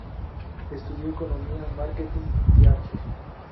Estudió economía, marketing y arte.